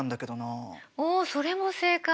おそれも正解。